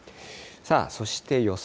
そして予想